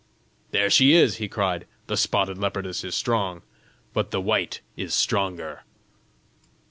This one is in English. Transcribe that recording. "There she is!" he cried. "The spotted leopardess is strong, but the white is stronger!"